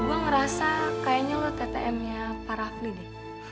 min gua ngerasa kayaknya lu ttm nya pak rafli deh